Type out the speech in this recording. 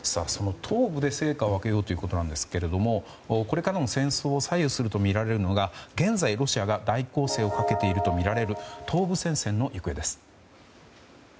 東部で成果を上げようということなんですがこれからの戦争を左右するとみられるのが現在、ロシアが大攻勢をかけているとみられる東部戦線の行方です。